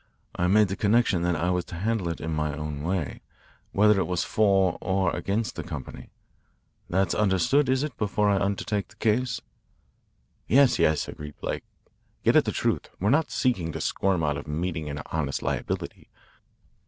I made the condition that I was to handle it in my own way, whether it went for or against the company. That's understood, is it, before I undertake the case?" "Yes, yes," agreed Blake. "Get at the truth. We're not seeking to squirm out of meeting an honest liability.